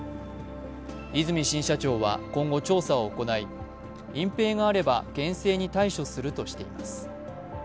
和泉新社長は今後調査を行い、隠蔽があれば厳正に対処するとしています。